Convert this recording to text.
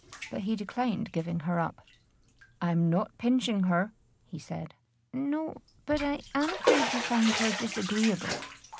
But he declined giving her up. "I'm not pinching her," he said. "No; but I am afraid you find her disagreeable."